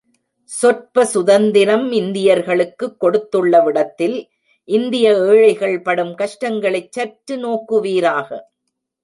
சொற்ப சுதந்திரம் இந்தியர்களுக்குக் கொடுத்துள்ளவிடத்தில் இந்திய ஏழைகள் படும் கஷ்டங்களைச் சற்று நோக்குவீராக.